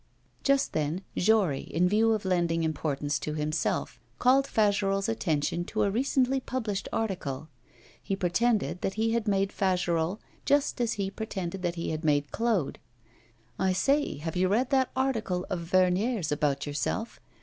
Just then Jory, in view of lending importance to himself, called Fagerolles' attention to a recently published article; he pretended that he had made Fagerolles just as he pretended that he had made Claude. 'I say, have you read that article of Vernier's about yourself?